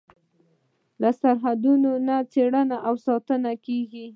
له سرحدونو نه څارنه او ساتنه کیږي.